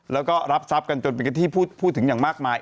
แล้วก็รับทรัพย์กันจนเป็นที่พูดถึงอย่างมากมาย